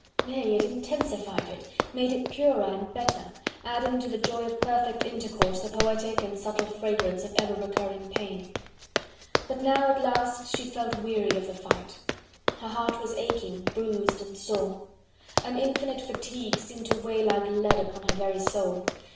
Nay, it intensified it, made it purer and better, adding to the joy of perfect intercourse the poetic and subtle fragrance of ever recurring pain. But now at last she felt weary of the fight: her heart was aching, bruised and sore. An infinite fatigue seemed to weigh like lead upon her very soul.